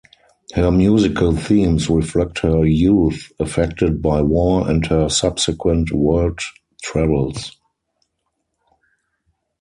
Her musical themes reflect her youth affected by war and her subsequent world travels.